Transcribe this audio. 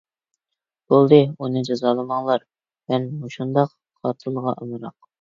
بولدى ئۇنى جازالىماڭلار، مەن مۇشۇنداق قاتىلغا ئامراق.